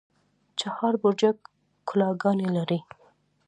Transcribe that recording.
چهار برجک کلاګانې لري؟